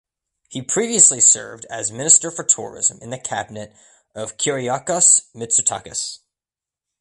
He previously served as Minister for Tourism in the Cabinet of Kyriakos Mitsotakis.